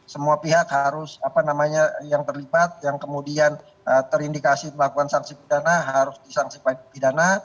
semua pihak harus apa namanya yang terlibat yang kemudian terindikasi melakukan sanksi pidana harus disangsi pidana